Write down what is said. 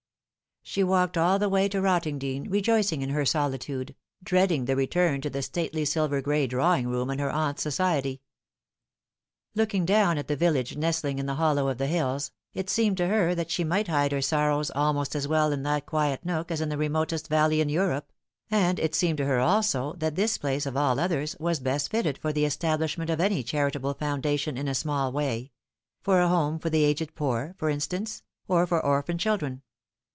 She walked all the way to Rottingdean, rejoicing in her solitude, dreading the return to the stately silver gray drawing room and her aunt's society. No Light. 178 Looking down at the village nestling in the hollow of the hills, it seemed to her that she might hide her sorrows almost as well in that quiet nook as in the remotest valley in Europe ; and it seemed to her also that this place of all others was best fitted for the establishment of any charitable foundation in a small way for a home for the aged poor, for instance, or for orphan chil dren.